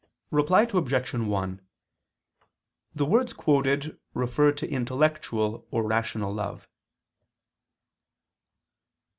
Reply Obj. 1: The words quoted refer to intellectual or rational love.